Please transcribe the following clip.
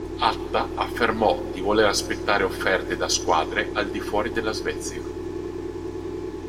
Atta affermò di voler aspettare offerte da squadre al di fuori della Svezia.